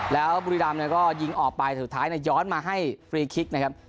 แล้วบุรีรำเนี่ยก็ยิงออกไปสุดท้ายย้อนมาให้ฟรีคิกนะครับ